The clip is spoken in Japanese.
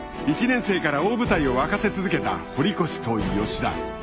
１年生から大舞台を沸かせ続けた堀越と吉田。